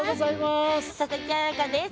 佐々木彩夏です。